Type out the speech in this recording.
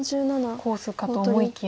コースかと思いきや